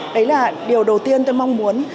đấy là điều đầu tiên tôi mong muốn